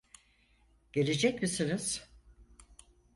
Gelecek misiniz?